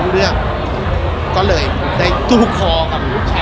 เราไม่ได้รู้แหละ